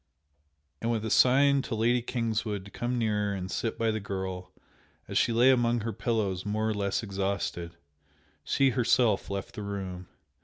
And with a sign to Lady Kingswood to come nearer and sit by the girl as she lay among her pillows more or less exhausted, she herself left the room.